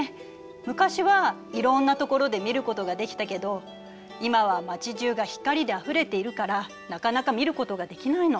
昔はいろんなところで見ることができたけど今は街じゅうが光であふれているからなかなか見ることができないの。